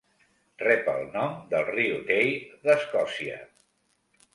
Rep el nom del riu Tay d'Escòcia.